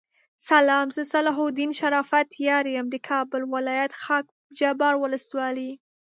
سلام زه صلاح الدین شرافت یار یم دکابل ولایت خاکحبار ولسوالی